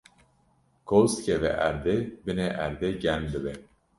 koz dikeve erdê, binê erdê germ dibe